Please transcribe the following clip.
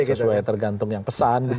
sesuai tergantung yang pesan